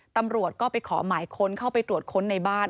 ตำรวจก็ไปขอหมายค้นเข้าไปตรวจค้นในบ้าน